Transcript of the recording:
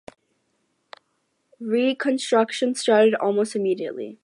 Reconstruction started almost immediately.